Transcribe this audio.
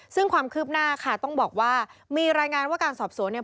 ซึ่งความคืบหน้าค่ะต้องบอกว่ามีรายงานว่าการสอบสวนเนี่ย